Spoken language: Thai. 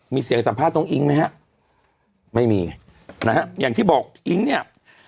มีเสียงสัมภาษณ์น้องอิ๊งไหมฮะไม่มีนะฮะอย่างที่บอกอิ๊งเนี่ย